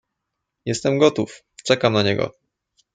"jestem gotów, czekam na niego!"